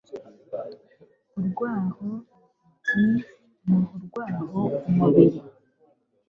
URWAHO Gl muha urwaho umubiri